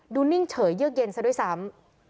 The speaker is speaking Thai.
นิ่งเฉยเยือกเย็นซะด้วยซ้ำ